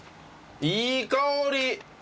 いい香り！